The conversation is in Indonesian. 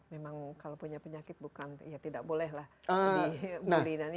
memang kalau punya penyakit bukan ya tidak bolehlah